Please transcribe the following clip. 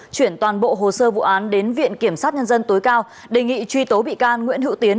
chuyển toàn bộ hồ sơ vụ án đến viện kiểm sát nhân dân tối cao đề nghị truy tố bị can nguyễn hữu tiến